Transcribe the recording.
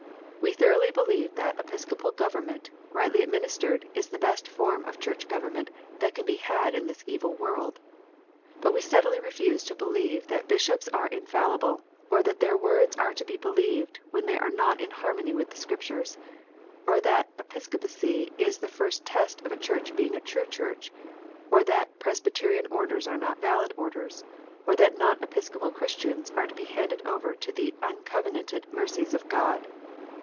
We thoroughly believe that Episcopal government, rightly administered, is the best form of Church government that can be had in this evil world. But we steadily refuse to believe that Bishops are in fallible, or that their words are to be believed when they are not in harmony with the Scriptures, or that Episcopacy is the first test of a Church being a true Church, or that Presbyterian orders are not valid orders, or that non Episcopal Christians are to be handed over to the uncovenanted mercies of God.